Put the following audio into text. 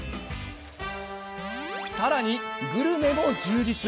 さらに、グルメも充実。